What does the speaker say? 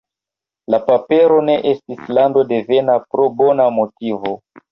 La papero ne estis landodevena, pro bona motivo.